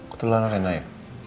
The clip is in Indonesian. ketularan rena ya